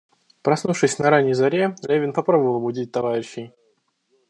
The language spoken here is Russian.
Проснувшись на ранней заре, Левин попробовал будить товарищей.